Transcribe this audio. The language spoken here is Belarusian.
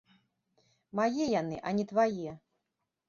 Мае яны, а не твае!